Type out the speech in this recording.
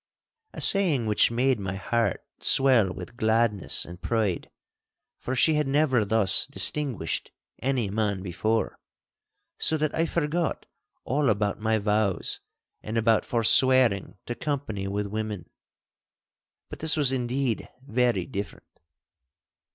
A saying which made my heart swell with gladness and pride, for she had never thus distinguished any man before, so that I forgot all about my vows and about forswearing to company with women. But this was indeed very different.